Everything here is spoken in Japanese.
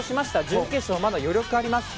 準決勝、まだ余力があります。